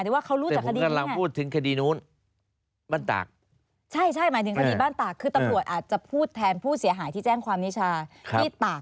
ที่ตากก็ได้เนี่ยคะ